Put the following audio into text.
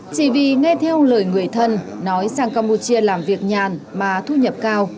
chỉ vì nghe theo lời người thân nói sang campuchia làm việc nhàn mà thu nhập cao